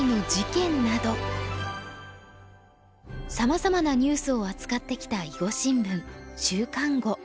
さまざまなニュースを扱ってきた囲碁新聞「週刊碁」。